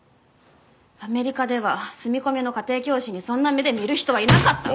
アメリカでは住み込みの家庭教師にそんな目で見る人はいなかった。